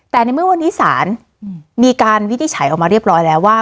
แต่ในเมื่อวันนี้ศาลมีการวินิจฉัยออกมาเรียบร้อยแล้วว่า